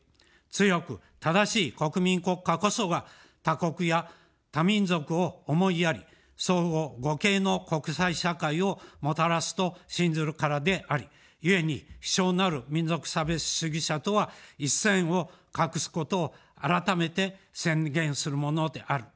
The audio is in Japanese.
強く正しい国民国家こそが他国や他民族を思いやり、相互互恵の国際社会をもたらすと信ずるからであり、ゆえに卑小なる民族差別主義者とは一線を画すことを改めて宣言するものである。